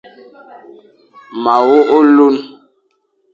Ma wogh olune.